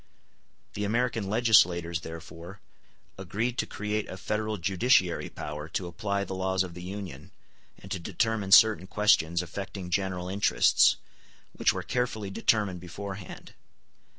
The American legislators therefore agreed to create a federal judiciary power to apply the laws of the Union, and to determine certain questions affecting general interests, which were carefully determined beforehand.